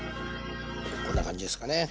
こんな感じですかね。